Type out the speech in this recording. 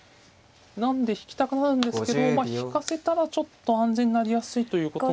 なんで引きたくなるんですけど引かせたらちょっと安全になりやすいということ。